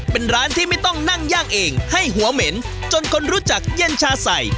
เป็นร้านที่ไม่ต้องนั่งย่างเองให้หัวเหม็นจนคนรู้จักเย็นชาใส่